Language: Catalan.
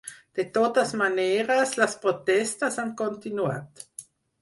De totes maneres, les protestes han continuat.